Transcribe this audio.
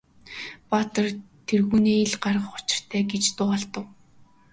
Баатар тэргүүнээ ил гаргах учиртай гэж дуу алдав.